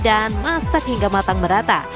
dan masak hingga matang merata